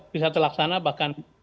bisa terlaksana bahkan